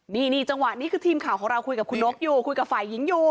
นี่จังหวะนี้คือทีมข่าวของเราคุยกับคุณนกอยู่คุยกับฝ่ายหญิงอยู่